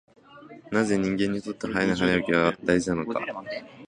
なぜ人間にとって早寝早起きは大事なのか。